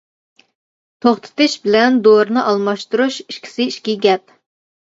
توختىتىش بىلەن تورىنى ئالماشتۇرۇش ئىككىسى ئىككى گەپ.